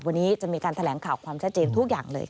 วันนี้จะมีการแถลงข่าวความชัดเจนทุกอย่างเลย